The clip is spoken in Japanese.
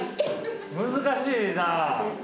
難しいな！